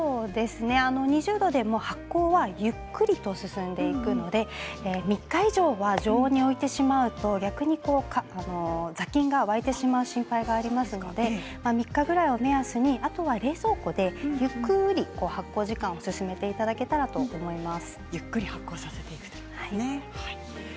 ２０度でも発酵はゆっくりと進んでいくので３日以上は常温に置いてしまうと逆に雑菌が湧いてしまう心配がありますので３日ぐらいを目安に、あとは冷蔵庫でゆっくり発酵時間を進めていただけたらと思います。